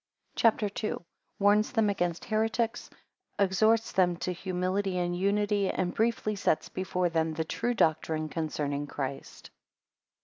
CHAP. II. 1 Warns them against heretics, 4 exhorts them to humility and unity, 10 and briefly sets before them the true doctrine concerning Christ.